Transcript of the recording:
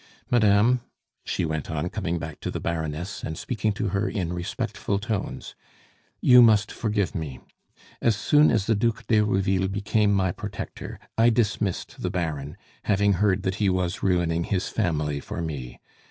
"Madame," she went on, coming back to the Baroness, and speaking to her in respectful tones, "you must forgive me. As soon as the Duc d'Herouville became my protector, I dismissed the Baron, having heard that he was ruining his family for me.